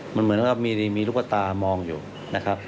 มันเหมือนกับมีลูกตามองอยู่นะครับ